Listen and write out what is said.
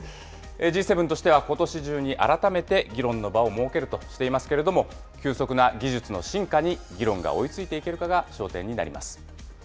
Ｇ７としては、ことし中に改めて議論の場を設けるとしていますけれども、急速な技術の進化に議論が追いついていけるかが焦点になります。